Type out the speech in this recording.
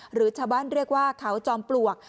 หรือชาวบ้านเรียกว่าเขาจอมปลวก